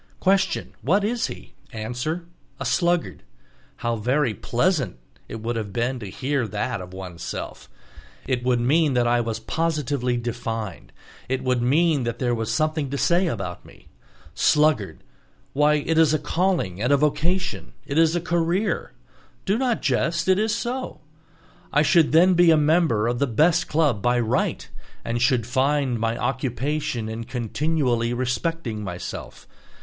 Question: What is he? Answer: A sluggard; how very pleasant it would have been to hear that of oneself! It would mean that I was positively defined, it would mean that there was something to say about me. "Sluggard"—why, it is a calling and vocation, it is a career. Do not jest, it is so. I should then be a member of the best club by right, and should find my occupation in continually respecting myself.